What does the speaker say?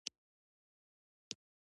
هیکل سلیماني چې یو دیوال یې پاتې دی.